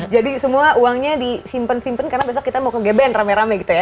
jadi semua uangnya disimpen simpen karena besok kita mau ke gbn rame rame gitu ya